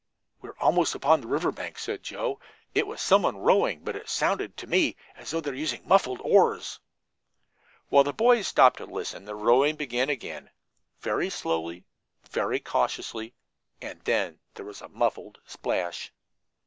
"We are almost upon the river bank," said Joe. "It was someone rowing, but it sounded to me as though they were using muffled oars." While the boys stopped to listen, the rowing began again, very slowly, very cautiously, and then there was a muffled splash.